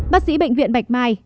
bác sĩ bệnh viện bạch mai